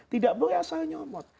tidak boleh asal nyomot